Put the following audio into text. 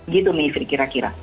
gitu menurut kira kira